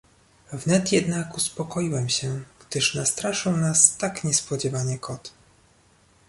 "Wnet jednak uspokoiłem się, gdyż nastraszył nas tak niespodzianie kot."